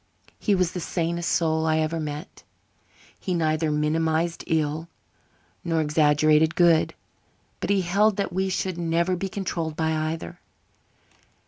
He was the sanest soul I ever met. He neither minimized ill nor exaggerated good, but he held that we should never be controlled by either.